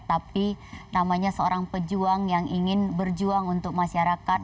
tapi namanya seorang pejuang yang ingin berjuang untuk masyarakat